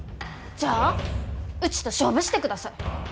じゃあうちと勝負してください。